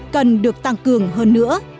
cần được tăng cường hơn nữa